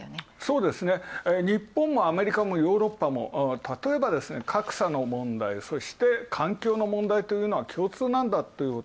そうですね、日本もアメリカもヨーロッパも、たとえば格差の問題、そして環境の問題というのは共通なんだ。